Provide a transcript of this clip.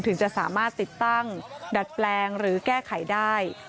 ถึงจะสามารถติดตั้งดัดแปลงหรือแก้ไขได้